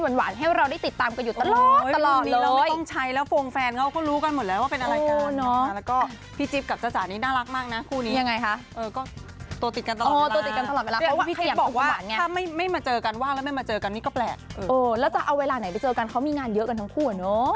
แล้วจะเอาเวลาไหนไปเจอกันเขามีงานเยอะกันทั้งคู่